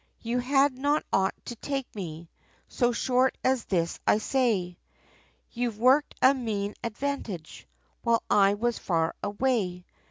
"You had not ought to take me, So short as this, I say; You've worked a mean advantage, While I was far away.